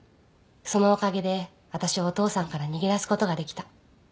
そのおかげで私はお父さんから逃げ出すことができた。